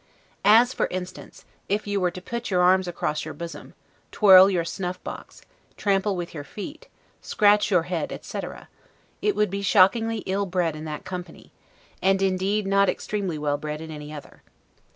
As, for instance, if you were to put your arms across in your bosom, twirl your snuff box, trample with your feet, scratch your head, etc., it would be shockingly ill bred in that company; and, indeed, not extremely well bred in any other.